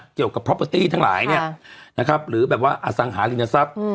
เกี่ยวกับทั้งหลายเนี่ยนะครับหรือแบบว่าอสังหารินทรัพย์อืม